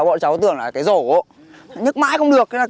bọn cháu tưởng là cái rổ nhức mãi không được